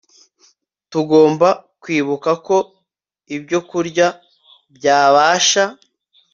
Tugomba kwibuka ko ibyokurya byabasha